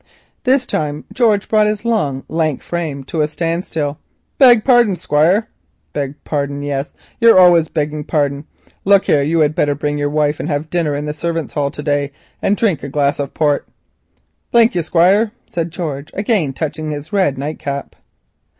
This time George brought his long lank frame to a standstill. "Beg pardon, Squire." "Beg pardon, yes—you're always begging pardon. Look here, you had better bring your wife and have dinner in the servants' hall to day, and drink a glass of port." "Thank you, Squire," said George again, touching his red nightcap.